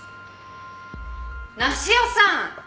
梨世さん！